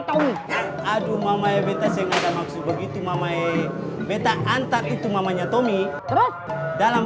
tommy aduh mama ya betas yang ada maksud begitu mama e meta antar itu mamanya tommy dalam